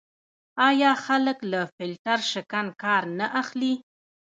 آیا خلک له فیلټر شکن کار نه اخلي؟